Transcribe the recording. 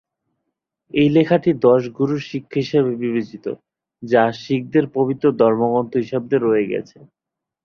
এই লেখাটি দশ গুরুর শিক্ষা হিসাবে বিবেচিত যা শিখদের পবিত্র ধর্মগ্রন্থ হিসাবে রয়ে গেছে।